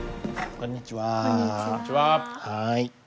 こんにちは。